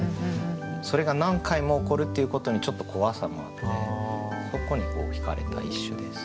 それが何回も起こるっていうことにちょっと怖さもあってそこにひかれた一首です。